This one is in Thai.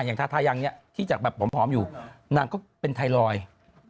อย่างทาทายังที่จะแบบผอมอยู่นางก็เป็นไทรลอยด์